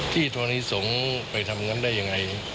ที่ทวนิสงศ์ไปทำงั้นได้ยังไง